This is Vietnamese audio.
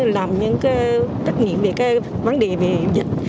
làm những trách nhiệm về vấn đề dịch